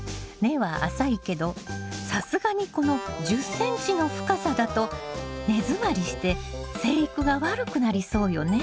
根は浅いけどさすがにこの１０ｃｍの深さだと根詰まりして生育が悪くなりそうよね。